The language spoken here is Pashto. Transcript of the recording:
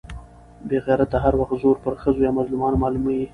بې غيرته هر وخت زور پر ښځو يا مظلومانو معلوموي.